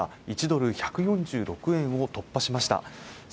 １ドル＝１４６円を突破しました